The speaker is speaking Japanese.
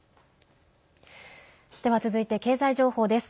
では、続いて経済情報です。